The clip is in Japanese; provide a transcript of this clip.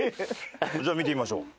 じゃあ見てみましょう。